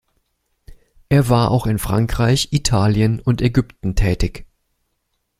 Er war auch in Frankreich, Italien und Ägypten tätig.